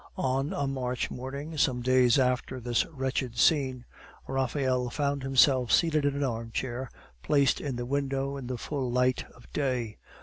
On a March morning, some days after this wretched scene, Raphael found himself seated in an armchair, placed in the window in the full light of day.